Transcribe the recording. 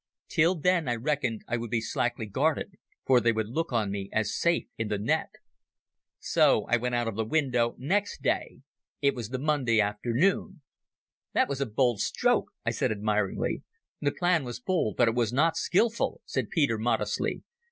Till then I reckoned I would be slackly guarded, for they would look on me as safe in the net ... "So I went out of the window next day. It was the Monday afternoon ..." "That was a bold stroke," I said admiringly. "The plan was bold, but it was not skilful," said Peter modestly.